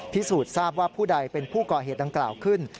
พิสูจน์ทราบว่าผู้ใดเป็นผู้ก่อเหตุดังกล่าวขึ้น